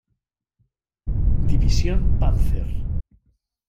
División Panzer.